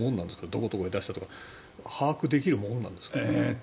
どこどこへ出したとか把握できるものなんですか？